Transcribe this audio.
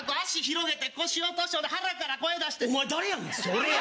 それや。